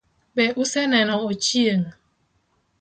Be use neno Ochieng?